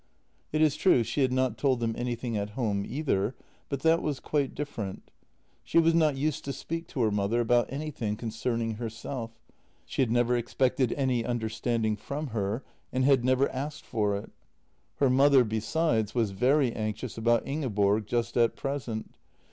It is true, she had not told them anything at home either, but that was quite different. She was not used to speak to her mother about anything concerning herself; she had never ex pected any understanding from her, and had never asked for it. Her mother, besides, was very anxious about Ingeborg just at present.